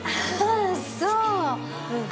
ああそう。